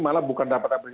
malah bukan dapat apresiasi